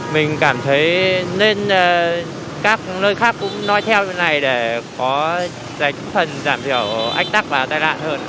mình cảm thấy nên các nơi khác cũng nói theo như thế này để có giải trí phần giảm thiểu ách tắc và tai nạn hơn